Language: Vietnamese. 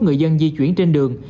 người dân di chuyển trên đường